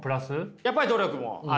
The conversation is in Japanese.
やっぱり努力もある。